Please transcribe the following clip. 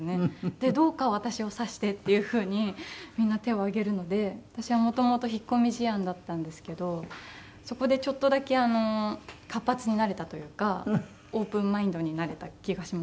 でどうか私を指してっていうふうにみんな手を挙げるので私は元々引っ込み思案だったんですけどそこでちょっとだけ活発になれたというかオープンマインドになれた気がしました。